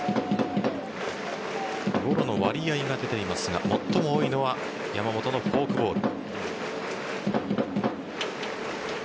ゴロの割合が出ていますが最も多いのは山本のフォークボール。